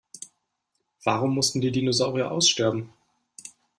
Warum mussten die Dinosaurier aussterben?